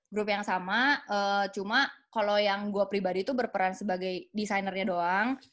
grup yang sama cuma kalau yang gue pribadi itu berperan sebagai desainernya doang